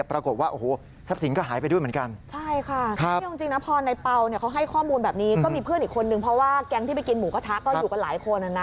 เพราะว่าแก๊งที่ไปกินหมูกระทะก็อยู่กับหลายคนนะนะ